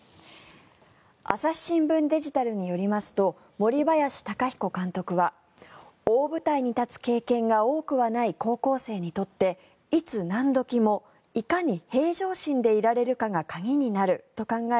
朝日新聞デジタルによりますと森林貴彦監督は大舞台に立つ経験が多くはない高校生にとっていつ何時もいかに平常心でいられるかが鍵になると考え